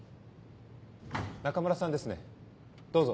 中村さんですねどうぞ。